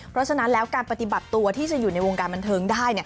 เพราะฉะนั้นแล้วการปฏิบัติตัวที่จะอยู่ในวงการบันเทิงได้